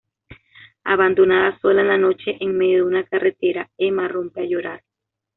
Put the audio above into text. Abandonada sola en la noche en medio de una carretera, Emma rompe a llorar.